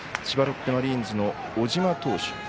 千葉ロッテマリーンズの小島投手。